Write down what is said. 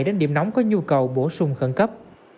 đến điểm nóng có nhu cầu bổ sung khẩn cấp